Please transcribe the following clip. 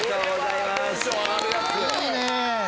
いいね！